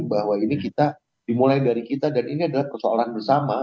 bahwa ini kita dimulai dari kita dan ini adalah persoalan bersama